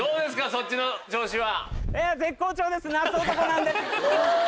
そっちの調子は。